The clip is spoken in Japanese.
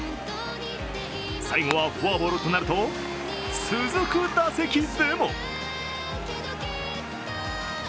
最後はフォアボールとなると続く打席でも。